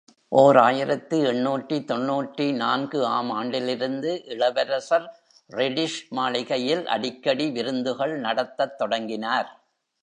ஓர் ஆயிரத்து எண்ணூற்று தொன்னூற்று நான்கு ஆம் ஆண்டிலிருந்து, இளவரசர் ட்ரெடிஸ் மாளிகையில் அடிக்கடி விருந்துகள் நடத்தத் தொடங்கினார்.